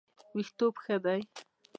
ویښتوب ښه دی.